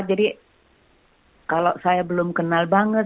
jadi kalau saya belum kenal banget